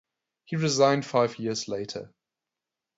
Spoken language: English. He resigned five years later.